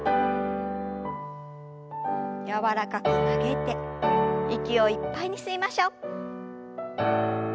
柔らかく曲げて息をいっぱいに吸いましょう。